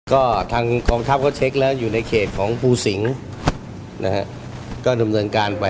ก็ทางกองทัพก็เช็คแล้วอยู่ในเขตของภูสิงศ์นะฮะก็ดำเนินการไป